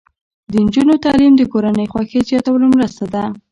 د نجونو تعلیم د کورنۍ خوښۍ زیاتولو مرسته ده.